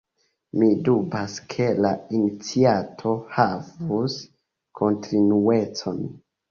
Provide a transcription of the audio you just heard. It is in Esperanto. Mi dubas ke la iniciato havus kontinuecon.